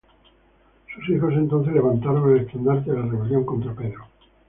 Sus hijos entonces levantaron el estandarte de la rebelión contra Pedro.